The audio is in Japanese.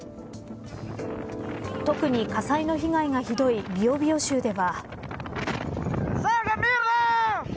特に火災の被害がひどいビオビオ州では。